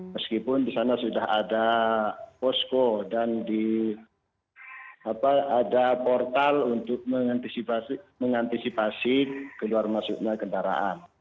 meskipun di sana sudah ada posko dan ada portal untuk mengantisipasi keluar masuknya kendaraan